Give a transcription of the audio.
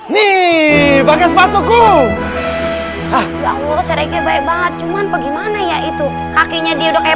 nih pakai sepatuku ah ya allah sebaiknya baik banget cuman bagaimana ya itu kakinya dia udah kayak